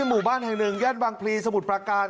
หมู่บ้านแห่งหนึ่งย่านบางพลีสมุทรประการ